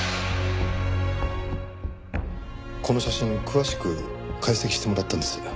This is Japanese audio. この写真詳しく解析してもらったんです。